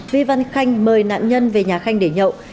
vi văn khanh mời nạn nhân về nhà khanh để nhậu